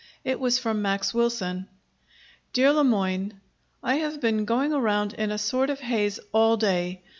It was from Max Wilson: DEAR LE MOYNE, I have been going around in a sort of haze all day.